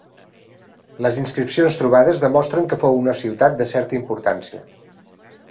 Les inscripcions trobades demostren que fou una ciutat de certa importància.